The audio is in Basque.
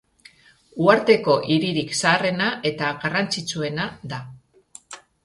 Uharteko hiririk zaharrena eta garrantzitsuena da.